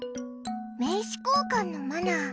名刺交換のマナー。